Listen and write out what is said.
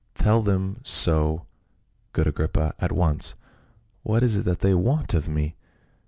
" Tell them so, good Agrippa, at once. What is it that they want of me